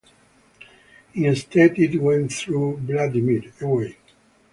Instead it went through Vladimir, away.